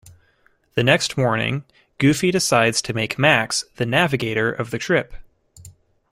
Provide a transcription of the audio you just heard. The next morning, Goofy decides to make Max the navigator of the trip.